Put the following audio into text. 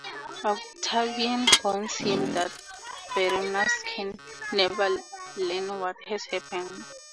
Octavian warns him that Vorenus can never learn what has happened.